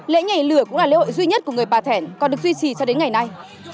lễ nhảy lửa cũng là lễ hội duy nhất của người bà thẻn còn được duy trì cho đến ngày nay